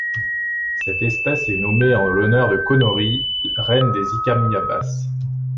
Cette espèce est nommée en l'honneur de Conori, reine des Icamiabas.